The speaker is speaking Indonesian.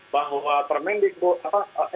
bahwa permendikbud skb